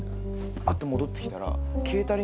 ばって戻ってきたら。